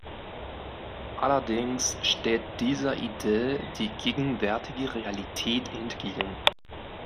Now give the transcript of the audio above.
Allerdings steht dieser Idee die gegenwärtige Realität entgegen.